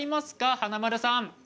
華丸さん。